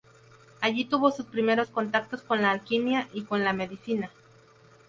Allí tuvo sus primeros contactos con la alquimia y con la medicina.